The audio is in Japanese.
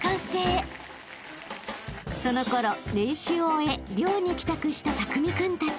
［そのころ練習を終え寮に帰宅したたくみ君たち］